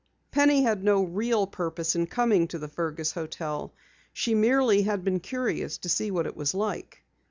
Penny had no real purpose in coming to the Fergus hotel. She merely had been curious to see what it was like.